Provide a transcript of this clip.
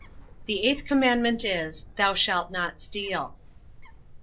The eighth commandment is, Thou shalt not steal.